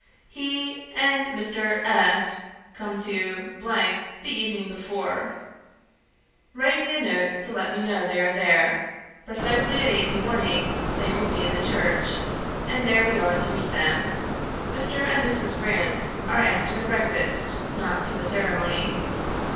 He and Mr. S come to the evening before; write me a note to let me know they are there; precisely at eight in the morning they will be in the church, and there we are to meet them. Mr. and Mrs. Grant are asked to the breakfast, not to the ceremony.